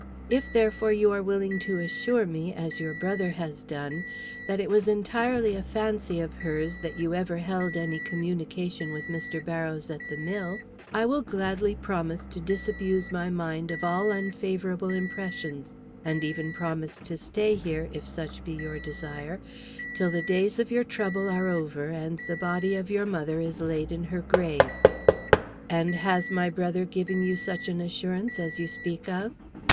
If, therefore, you are willing to assure me, as your brother has done, that it was entirely a fancy of hers that you ever held any communication with Mr. Barrows at the mill, I will gladly promise to disabuse my mind of all unfavorable impressions, and even promise to stay here, if such be your desire, till the days of your trouble are over, and the body of your mother is laid in her grave." "And has my brother given you such an assurance as you speak of?"